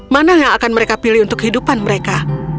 mana yang akan mereka pilih untuk kehidupan mereka